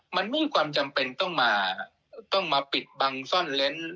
มันไม่มีความจำเป็นต้องมาปิดบังซ่อนเล้น